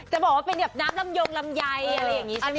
จะบอกว่าเป็นแบบน้ำลำยงลำไยอะไรอย่างนี้